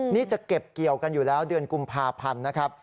นี่จะเก็บเกี่ยวกันอยู่แล้วเดือนกุมภาพันธ์นะครับ